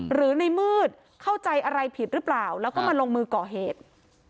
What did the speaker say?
หรือในมืดเข้าใจอะไรผิดหรือเปล่าแล้วก็มาลงมือก่อเหตุ